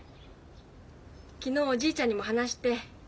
昨日おじいちゃんにも話して喜んでたって。